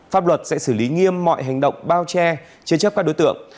pháp luật sẽ xử lý nghiêm mọi hành động bao che chế chấp các đối tượng